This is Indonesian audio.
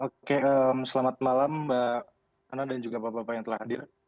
oke selamat malam mbak ana dan juga bapak bapak yang telah hadir